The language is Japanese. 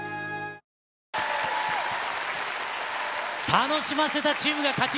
楽しませたチームが勝ち。